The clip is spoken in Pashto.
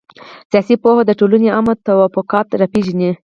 سياسي پوهه د ټولني عامه توافقات را پېژني.